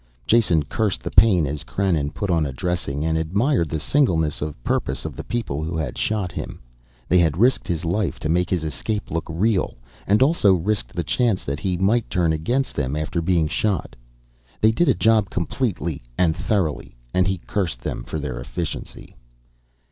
Jason cursed the pain as Krannon put on a dressing, and admired the singleness of purpose of the people who had shot him. They had risked his life to make his escape look real. And also risked the chance that he might turn against them after being shot. They did a job completely and thoroughly and he cursed them for their efficiency.